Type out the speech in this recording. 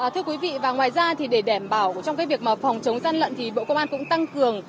thưa quý vị và ngoài ra thì để đảm bảo trong cái việc mà phòng chống gian lận thì bộ công an cũng tăng cường